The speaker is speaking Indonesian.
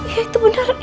ya itu bener